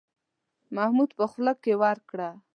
محمود په خوله کې ورکړه.